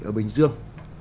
ở bình dương